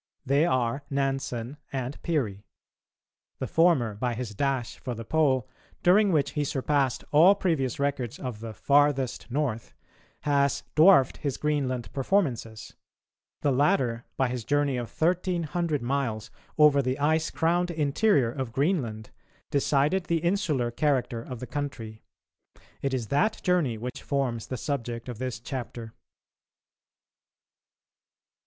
They are Nansen and Peary. The former, by his dash for the Pole, during which he surpassed all previous records of the "farthest North," has dwarfed his Greenland performances; the latter, by his journey of 1300 miles over the ice crowned interior of Greenland, decided the insular character of the country. It is that journey which forms the subject of this chapter.